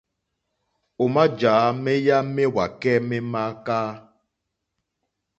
Ò màjǎ méyá méwàkɛ́ mé mááká.